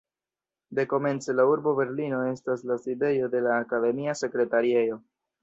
Dekomence la urbo Berlino estas la sidejo de la akademia sekretariejo.